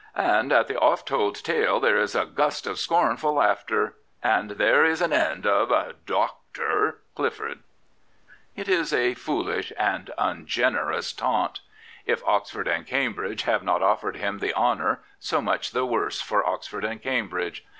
And at the oft told tale there is a gust of scornful laughter. And there's an end of " Dr." Clifford. It is a foolish and ungenerous taunt. If Oxford and Cambridge have not offered him the honour, so much the worse for Oxford and Cambridge.